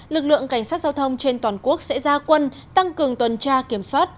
lực lượng cảnh sát giao thông trên toàn quốc sẽ ra quân tăng cường tuần tra kiểm soát